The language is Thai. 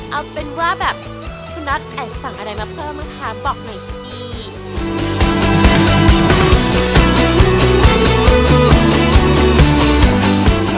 เอาเป็นว่าแบบคุณน็อตแอบสั่งอะไรมาเพิ่มนะคะบอกหน่อยสินี่